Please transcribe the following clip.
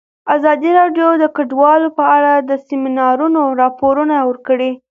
ازادي راډیو د کډوال په اړه د سیمینارونو راپورونه ورکړي.